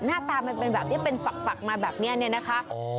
หน้าตามันเป็นแบบนี้เป็นปักมาแบบนี้เนี่ยนะคะ